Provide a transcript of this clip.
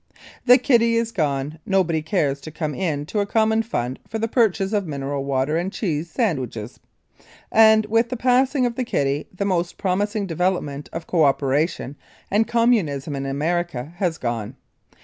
The kitty is gone. Nobody cares to come in to a common fund for the purchase of mineral water and cheese sandwiches. And with the passing of the kitty the most promising development of co operation and communism in America has gone.